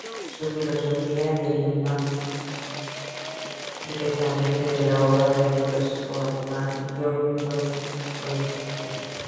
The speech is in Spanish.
Su filosofía deriva directamente de la obra del filósofo alemán Georg Wilhelm Friedrich Hegel.